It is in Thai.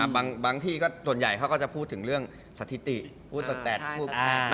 บางที่ก็ส่วนใหญ่เขาก็จะพูดถึงเรื่องสถิติพูดสแตดพูด